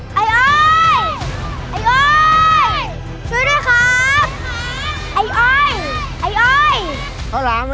ข้าวหลามไหมครับข้าวหลามครับข้าวหลาม